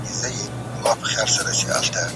هغه سړی چي پلان جوړوي هوښيار دی.